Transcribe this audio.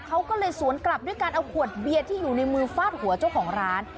เขาก็เลยสวนกลับด้วยการเอาขวดเบียร์ที่อยู่ในมือฟาดหัวเจ้าของร้าน